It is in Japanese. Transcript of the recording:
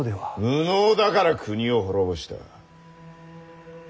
無能だから国を滅ぼした。